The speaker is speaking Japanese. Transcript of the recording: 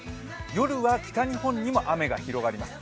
夜は北日本にも雨が広がります。